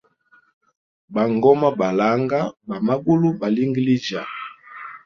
Bangoma balanga, ba magulu balingilijya.